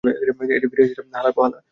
এটি ফিরে এসেছে - হালার পো হালা!